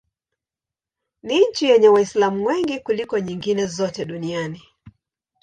Ni nchi yenye Waislamu wengi kuliko nyingine zote duniani.